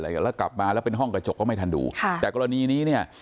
แล้วกลับมาแล้วเป็นห้องกระจกก็ไม่ทันดูค่ะแต่กรณีนี้เนี่ย